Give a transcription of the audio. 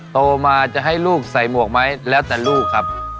โตมาจะให้ลูกใส่หมวกไหมแล้วแต่ลูกครับ